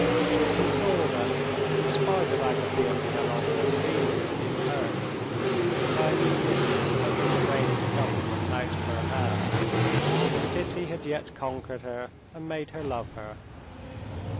He saw that, in spite of Agafea Mihalovna's feelings being hurt by a new mistress taking the reins of government out of her hands, Kitty had yet conquered her and made her love her.